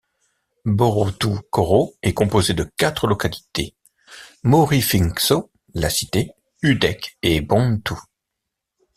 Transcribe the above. Borotou-koro est composé de quatre localités, Morifingso, La Cité, Udec et Bontou.